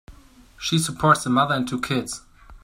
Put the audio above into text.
She supports a mother and two kids.